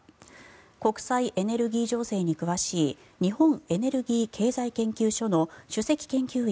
国際エネルギー情勢に詳しい日本エネルギー経済研究所の首席研究員